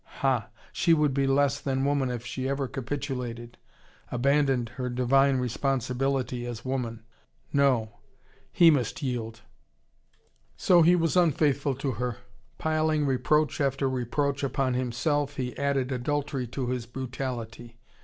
Ha, she would be less than woman if she ever capitulated, abandoned her divine responsibility as woman! No, he must yield. So, he was unfaithful to her. Piling reproach after reproach upon himself, he added adultery to his brutality.